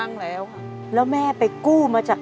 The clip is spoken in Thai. ต้องเสียมันเสียส่วนมาก